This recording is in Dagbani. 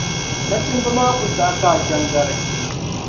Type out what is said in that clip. Nachimba maa ku saɣi ka a chaŋ gari.